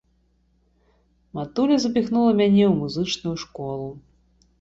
Матуля запіхнула мяне ў музычную школу.